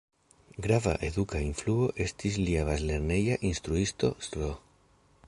Grava eduka influo estis lia bazlerneja instruisto Sro.